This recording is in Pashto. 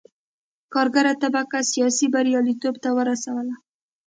کارګره طبقه سیاسي بریالیتوب ته ورسوله.